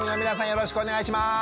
よろしくお願いします。